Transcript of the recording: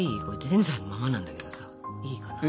ぜんざいのままなんだけどさいいかな？